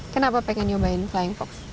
kenapa pengen nyobain flying fox